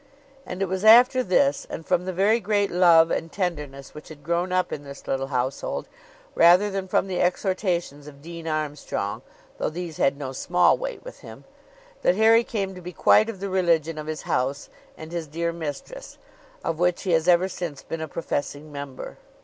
And it was after this, and from the very great love and tenderness which had grown up in this little household, rather than from the exhortations of Dean Armstrong (though these had no small weight with him), that Harry came to be quite of the religion of his house and his dear mistress, of which he has ever since been a professing member.